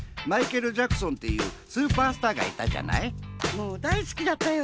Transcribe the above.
もうだい好きだったよ。